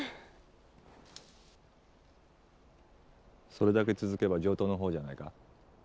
それだけ続けば上等の方じゃないか。